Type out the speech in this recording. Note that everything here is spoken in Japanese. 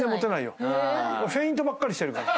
フェイントばっかりしてるから。